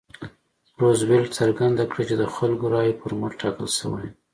روزولټ څرګنده کړه چې د خلکو رایو پر مټ ټاکل شوی.